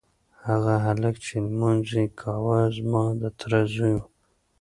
هغه هلک چې لمونځ یې کاوه زما د تره زوی و.